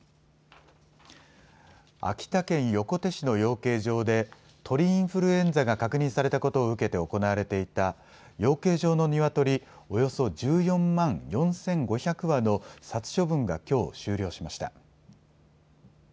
秋田県横手市の養鶏場で鳥インフルエンザが確認されたことを受けて行われていた養鶏場のニワトリ、およそ１４万４５００羽の殺処分がきょう終了しました。